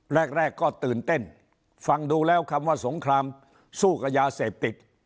แรกก็ตื่นเต้นฟังดูแล้วคำว่าสงครามสู้กับยาเสพติด